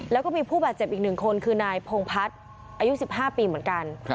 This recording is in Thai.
แล้วก็มีผู้บาดเจ็บอีก๑คนคือนายพงพัฒน์อายุ๑๕ปีเหมือนกัน